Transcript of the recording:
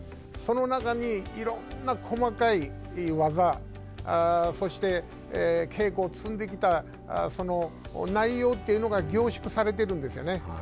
その中に、いろんな細かい技、そして稽古を積んできたその内容というのが凝縮されてるんですよね。